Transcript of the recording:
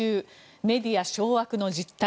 メディア掌握の実態。